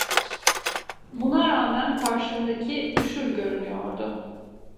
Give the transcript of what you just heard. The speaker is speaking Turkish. Buna rağmen karşımdaki üşür görünüyordu.